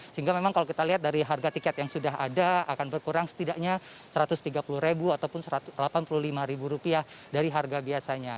sehingga memang kalau kita lihat dari harga tiket yang sudah ada akan berkurang setidaknya satu ratus tiga puluh ataupun rp satu ratus delapan puluh lima dari harga biasanya